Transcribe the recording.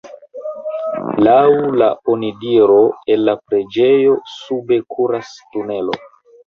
Laŭ la onidiro el la preĝejo sube kuras tunelo.